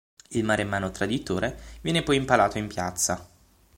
Il maremmano traditore viene poi impalato in piazza.